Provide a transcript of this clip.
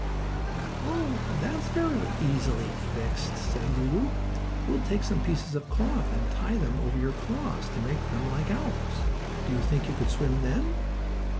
"Oh, that is very easily fixed," said Lulu. "We will take some pieces of cloth, and tie them over your claws to make them like ours. Do you think you could swim then?"